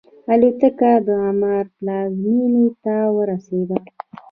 الوتکه د عمان پلازمینې ته ورسېده.